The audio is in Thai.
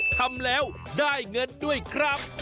ทำแล้วได้เงินด้วยครับ